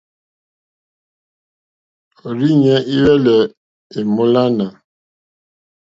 Òrzìɲɛ́ î hwɛ́lɛ́ èmólánà.